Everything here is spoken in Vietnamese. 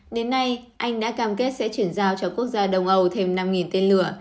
đến nay anh đã cam kết sẽ chuyển giao cho quốc gia đông âu thêm năm tên lửa